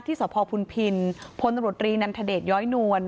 ที่สภพลินทร์พลตรรีนันทเดชย้อยนวล